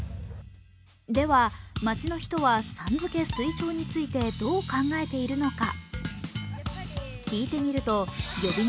では、街の人はさん付け推奨についてどう考えているのか。